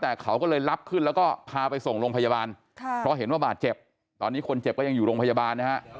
แต่เขาก็เลยรับขึ้นแล้วก็พาไปส่งโรงพยาบาลเพราะเห็นว่าบาดเจ็บตอนนี้คนเจ็บก็ยังอยู่โรงพยาบาลนะฮะ